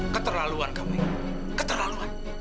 keterlaluan kamu keterlaluan